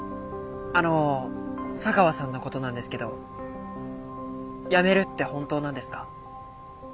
あの茶川さんのことなんですけど辞めるって本当なんですか？